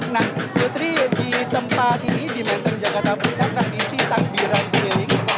nah fitri di tempat ini di mentor jakarta berisi takbiran di lingkungan